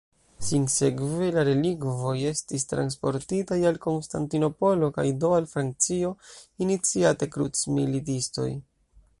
Sinsekve la relikvoj estis transportitaj al Konstantinopolo kaj do al Francio iniciate krucmilitistoj.